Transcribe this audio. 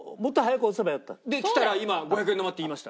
できたら今５００円玉って言いました。